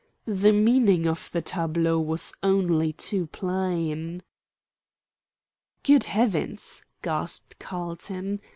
The meaning of the tableau was only too plain. "Good heavens!" gasped Carlton.